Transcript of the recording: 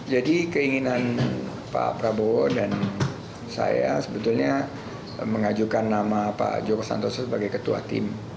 jadi keinginan pak prabowo dan saya sebetulnya mengajukan nama pak joko santos sebagai ketua tim